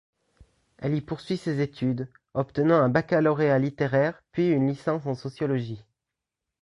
Elle y poursuit ses études, obtenant un baccalauréat littéraire, puis une licence en sociologie.